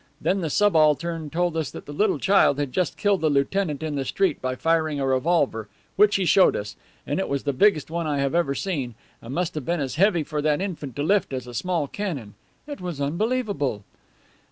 Then the subaltern told us that the little child had just killed a lieutenant in the street by firing a revolver, which he showed us, and it was the biggest one I ever have seen, and must have been as heavy for that infant to lift as a small cannon. It was unbelievable.